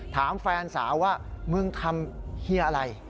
ถามแฟนสาวว่ามึงทำเฮียอะไร